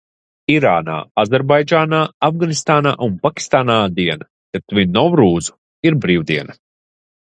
Irānā, Azerbaidžānā, Afganistānā un Pakistānā diena, kad svin Novrūzu, ir brīvdiena.